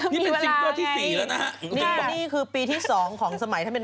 นี่เป็นซิงโก้ที่สี่แล้วนะฮะอุปสรรคต่าง